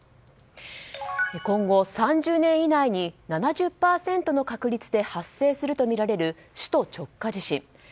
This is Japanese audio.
今後３０年以内に７０％の確率で発生するとみられる首都直下地震。